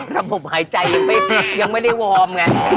ระบบหายใจยังไม่ได้วอร์มไง